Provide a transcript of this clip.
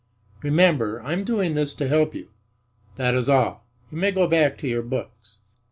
Remember, I'm doing this to help you. That is all. You may go back to your books."